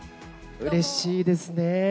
うれしいですねー。